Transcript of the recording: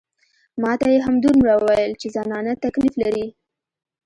ما ته يې همدومره وويل چې زنانه تکليف لري.